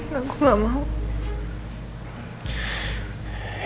nah gue gak mau